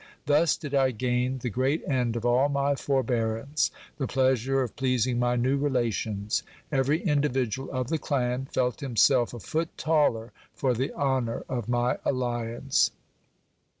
Thus did I gain the ^reat end of all my forbearance, the pleasure of pleasing my new relations. Every individual of the clan felt himself a foot taller for the honour of my alliance.